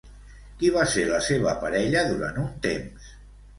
Qui va ser la seva parella durant un temps?